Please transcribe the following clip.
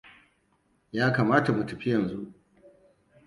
Ya kamata mu tafi yanzu.